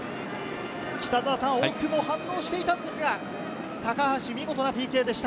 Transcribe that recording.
奥も反応していたんですが、高橋、見事なＰＫでした。